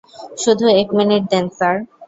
শুধু এক মিনিট দেন, স্যার।